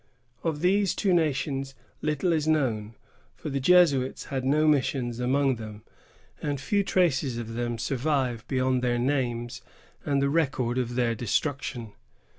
Of these two nations little is known, for the Jesuits had no missions among them, and few traces of them survive beyond their names and the record of their destruction.